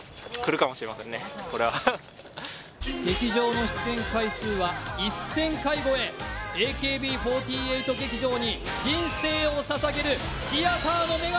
劇場の出演回数は１０００回超えＡＫＢ４８劇場に人生を捧げるシアターの女神